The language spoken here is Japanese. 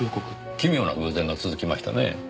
奇妙な偶然が続きましたねぇ。